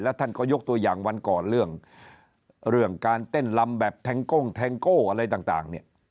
แล้วท่านก็ยกตัวอย่างวันก่อเรื่องการเต้นลำแบบแทงโก้อะไรต่าง